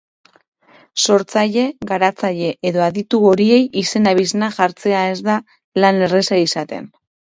sortzaile, garatzaile edo aditu horiei izen-abizenak jartzea ez da lan erraza izaten